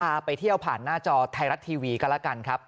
ไปเที่ยวผ่านหน้าจอไทยรัฐทีวีกันแล้วกันครับ